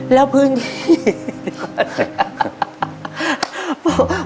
แล้วพื้นที่